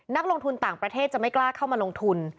นักลงทุนต่างประเทศจะไม่กล้าเข้ามาลงทุน